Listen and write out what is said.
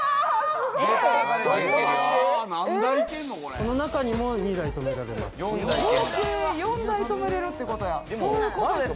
この中にも２台停められます。